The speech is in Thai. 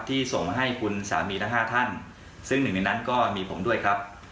ส่งให้คุณสามีทั้ง๕ท่านซึ่งหนึ่งในนั้นก็มีผมด้วยครับ